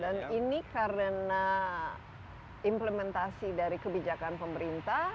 dan ini karena implementasi dari kebijakan pemerintah